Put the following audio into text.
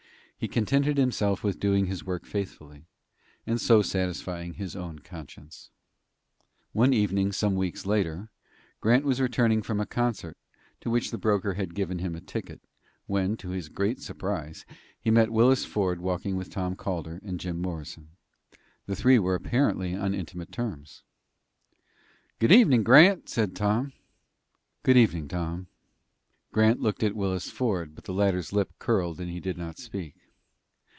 He contented himself with doing his work faithfully, and so satisfying his own conscience. One evening some weeks later, Grant was returning from a concert, to which the broker had given him a ticket, when, to his great surprise, he met Willis Ford walking with Tom Calder and Jim Morrison. The three were apparently on intimate terms. "Good evenin', Grant," said Tom. "Good evening, Tom." Grant looked at Willis Ford, but the latter's lip curled and he did not speak.